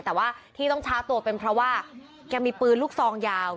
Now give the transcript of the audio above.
แต่ว่าที่ต้องช้าตัวเป็นเพราะว่าแกมีปืนลูกซองยาว